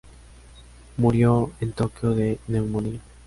Murió en Tokio de neumonía.